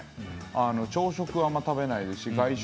朝食はあんま食べないですし外食